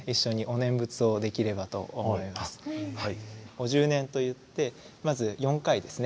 お十念と言ってまず４回ですね。